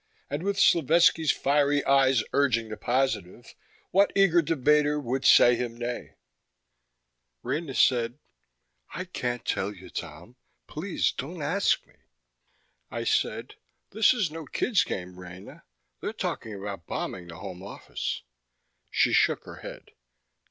And with Slovetski's fiery eyes urging the positive, what eager debater would say him nay? Rena said: "I can't tell you, Tom. Please don't ask me!" I said, "This is no kid's game, Rena! They're talking about bombing the Home Office!" She shook her head.